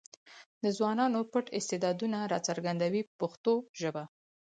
د ځوانانو پټ استعدادونه راڅرګندوي په پښتو ژبه.